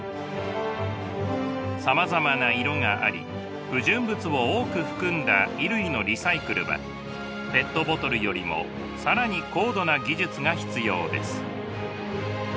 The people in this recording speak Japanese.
さまざまな色があり不純物を多く含んだ衣類のリサイクルはペットボトルよりも更に高度な技術が必要です。